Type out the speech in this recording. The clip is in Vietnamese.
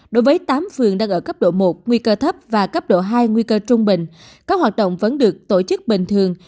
đối với tám phường đang ở cấp độ một nguy cơ thấp và cấp độ hai nguy cơ trung bình các hoạt động vẫn được tổ chức bình thường